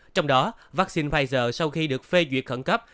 trong đó vaccine pfizer sau khi được phê duyệt khẩn cấp